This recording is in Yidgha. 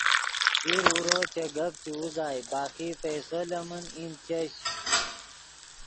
دیر اورو چے گپ چے اوزائے باقی پیسو لے من ایند چش